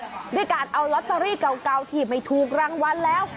ด้วยการเอาลอตเตอรี่เก่าที่ไม่ถูกรางวัลแล้ว